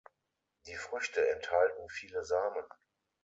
Die Früchte enthalten viele Samen.